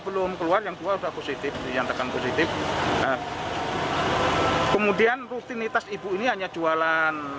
belum keluar yang dua sudah positif dinyatakan positif kemudian rutinitas ibu ini hanya jualan